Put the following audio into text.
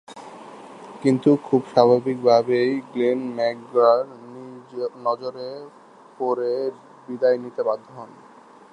কিন্তু, খুব স্বাভাবিকভাবেই গ্লেন ম্যাকগ্রা’র নজরে পড়ে বিদেয় নিতে বাধ্য হন।